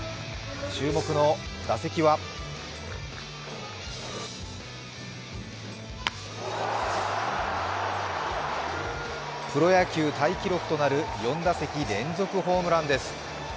注目の打席はプロ野球タイ記録となる４打席連続ホームランです。